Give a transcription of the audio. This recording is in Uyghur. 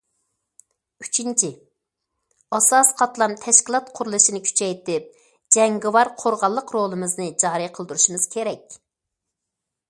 ئۈچىنچى، ئاساسىي قاتلام تەشكىلات قۇرۇلۇشىنى كۈچەيتىپ، جەڭگىۋار قورغانلىق رولىمىزنى جارى قىلدۇرۇشىمىز كېرەك.